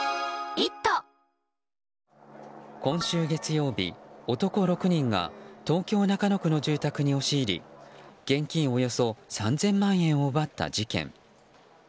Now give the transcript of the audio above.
今週月曜日、男６人が東京・中野区の住宅に押し入り現金およそ３０００万円を奪った事件。